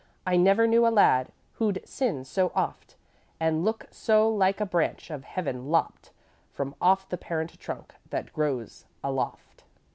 I never knew a lad who'd sin so oft And look so like a branch of heaven lopped From off the parent trunk that grows aloft.